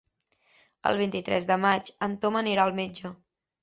El vint-i-tres de maig en Tom anirà al metge.